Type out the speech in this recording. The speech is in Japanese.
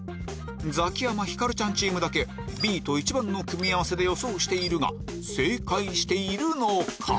ザキヤマ・ひかるちゃんチームだけＢと１番の組み合わせで予想しているが正解しているのか？